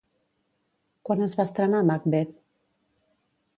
Quan es va estrenar Macbeth?